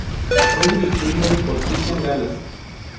Fue dirigido por Cristián Galaz.